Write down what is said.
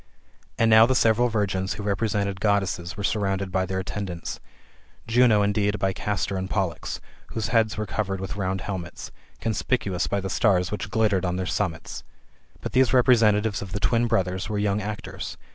And now the several virgins who represented Goddesses were surrounded by their attendants : Juno indeed by Castor and Pollux, whose heads were CQvered with round helmets, conspicuous by the stars which glittered on {heir summits. But those representatives of the twin brothers were young actors.